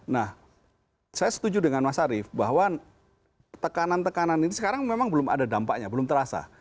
nah saya setuju dengan mas arief bahwa tekanan tekanan ini sekarang memang belum ada dampaknya belum terasa